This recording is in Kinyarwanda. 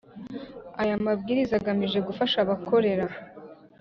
Aya Mabwiriza agamije gufasha abakorera